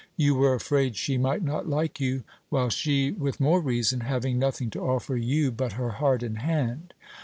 You were afraid she might not like you ; while she, with more reason, having nothing to offer you but her heart and hand